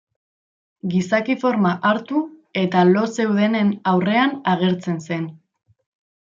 Gizaki forma hartu eta lo zeudenen aurrean agertzen zen.